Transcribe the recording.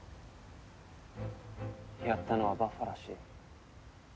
やったのはバッファらしい。